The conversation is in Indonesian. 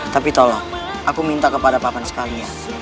tapi tolong aku minta kepada paman sekalian